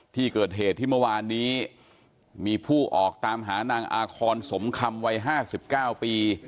ที่เกิดเหตุที่เมื่อวานนี้มีผู้ออกตามหานางอาคอนสมคำวัย๕๙ปี